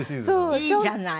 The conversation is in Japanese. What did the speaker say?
いいじゃない。